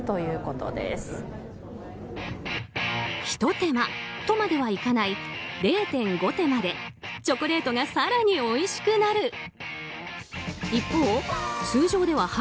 ひと手間とまではいかない０．５手間でチョコレートが更においしくなる。